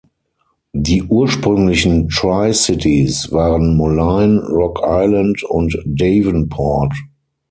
Die ursprünglichen Tri-Cities waren Moline, Rock Island und Davenport.